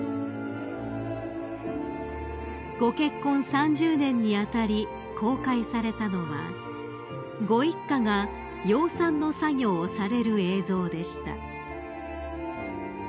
［ご結婚３０年に当たり公開されたのはご一家が養蚕の作業をされる映像でした］